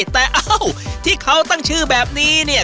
แต่เอ้าที่เขาตั้งชื่อแบบนี้เนี่ย